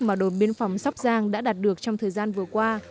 mà đồn biên phòng sóc giang đã đạt được trong thời gian vừa qua